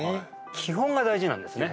基本が大事なんですね